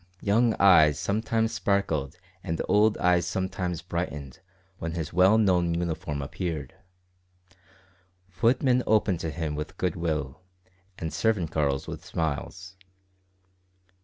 Young eyes sometimes sparkled and old eyes sometimes brightened when his well known uniform appeared. Footmen opened to him with good will, and servant girls with smiles.